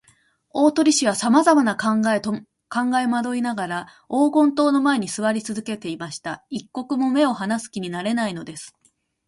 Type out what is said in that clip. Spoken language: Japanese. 大鳥氏はさまざまに考えまどいながら、黄金塔の前にすわりつづけていました。一刻も目をはなす気になれないのです。